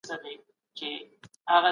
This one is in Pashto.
ډګر څېړونکی له خلکو سره مرکي کوي.